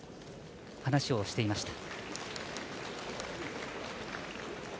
話をしていました。